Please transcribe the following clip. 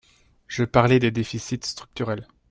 Je parlais des déficits structurels